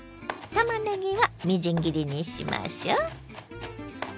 たまねぎはみじん切りにしましょ。